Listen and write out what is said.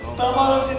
ntar malah si nek